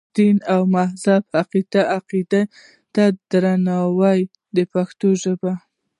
دیني او مذهبي عقیدو ته درناوی وي په پښتو ژبه.